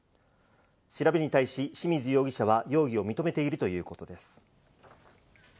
調べに対し清水容疑者は容疑を認めているということです。